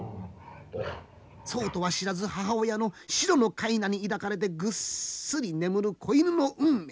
そうとは知らず母親のシロのかいなに抱かれてぐっすり眠る子犬の運命。